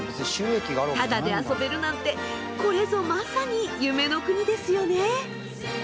タダで遊べるなんてこれぞまさに夢の国ですよね。